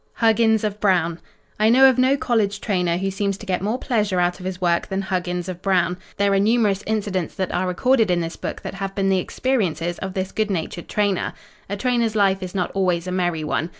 "Huggins of Brown" I know of no college trainer who seems to get more pleasure out of his work than Huggins of Brown. There are numerous incidents that are recorded in this book that have been the experiences of this good natured trainer. A trainer's life is not always a merry one.